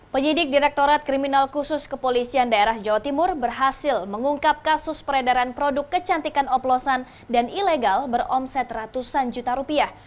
penyidik direktorat kriminal khusus kepolisian daerah jawa timur berhasil mengungkap kasus peredaran produk kecantikan oplosan dan ilegal beromset ratusan juta rupiah